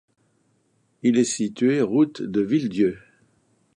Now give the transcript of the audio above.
Il est situé route de Villedieu.